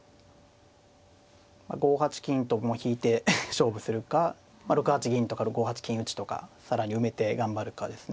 まあ５八金ともう引いて勝負するか６八銀とか５八金打ちとか更に埋めて頑張るかですね。